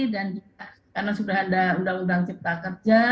dan karena sudah ada undang undang cipta kerja